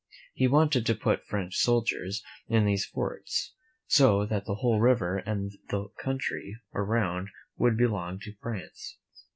He wanted to put French soldiers in these forts, so that the whole river and all the country around would belong to France.